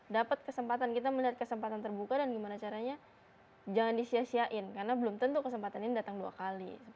dapat kesempatan kita melihat kesempatan terbuka dan gimana caranya jangan disiasiain karena belum tentu kesempatan ini datang dua kali